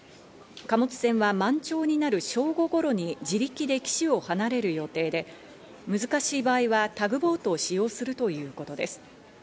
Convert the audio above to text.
貨物船は満潮になる正午頃に自力で岸を離れる予定で、難しい場合はタグボートを使用するということです。